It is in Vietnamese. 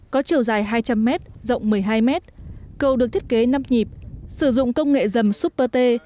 có chiều dài hai trăm linh m rộng một mươi hai m cầu được thiết kế năm nhịp sử dụng công nghệ dầm super t